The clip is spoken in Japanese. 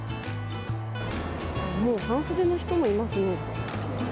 もう半袖の人もいますね。